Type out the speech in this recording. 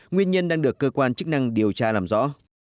nguyên nhân đang được cơ quan chức năng điều tra làm rõ